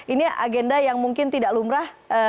ini agenda yang mungkin tidak lumrah